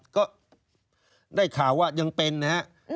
ก็ได้ข่าวว่ายังเป็นนะครับ